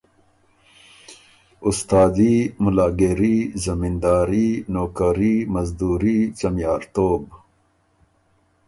استادي، ملاګېري، زمینداري، نوکري، مزدوري، څمیارتوب،